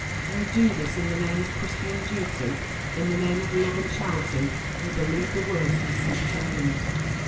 You do this in the name of Christian duty; in the name of love and charity, you believe the worst, and seek to ruin us.